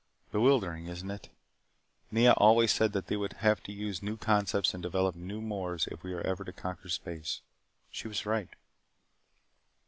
Bewildering, isn't it? Nea always said that we would have to use new concepts and develop new mores if we ever conquered space. She was right.